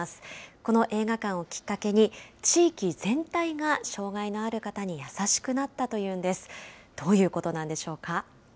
この映画館をきっかけに、地域全体が障害のある方に優しくなったというんです。